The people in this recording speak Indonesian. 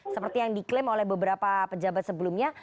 seperti yang diklaim oleh beberapa pejabat sebelumnya